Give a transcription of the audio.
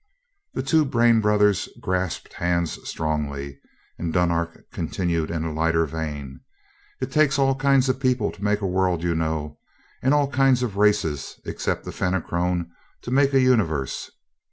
The two brain brothers grasped hands strongly, and Dunark continued in a lighter vein: "It takes all kinds of people to make a world, you know and all kinds of races, except the Fenachrone, to make a Universe.